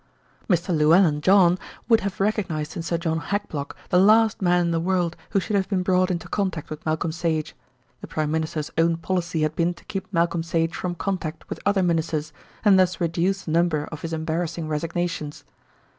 Mr. Llewellyn John would have recognised in Sir John Hackblock the last man in the world who should have been brought into contact with Malcolm Sage. The Prime Minister's own policy had been to keep Malcolm Sage from contact with other Ministers, and thus reduce the number of his embarrassing resignations.